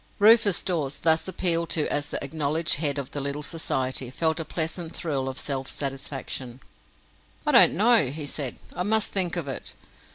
Rufus Dawes, thus appealed to as the acknowledged Head of the little society, felt a pleasant thrill of self satisfaction. "I don't know," he said. "I must think of it.